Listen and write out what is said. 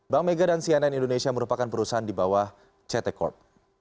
bank mega dan cnn indonesia merupakan perusahaan di bawah ct corp